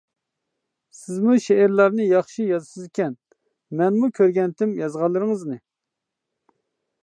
سىزمۇ شېئىرلارنى ياخشى يازىسىزكەن، مەنمۇ كۆرگەنتىم يازغانلىرىڭىزنى.